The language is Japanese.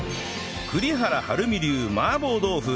栗原はるみ流麻婆豆腐